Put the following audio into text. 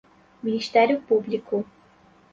Ministério Público